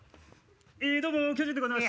どうも巨人でございます。